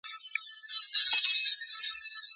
ځيني خلک موضوع عادي ګڼي او حساسيت نه لري-